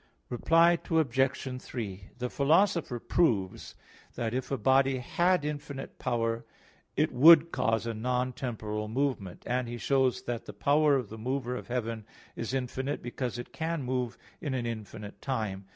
Reply Obj. 3: The Philosopher (Phys. viii, 79) proves that if a body had infinite power, it would cause a non temporal movement. And he shows that the power of the mover of heaven is infinite, because it can move in an infinite time.